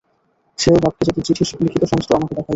সেও বাপকে যত চিঠি লিখিত সমস্ত আমাকে দেখাইত।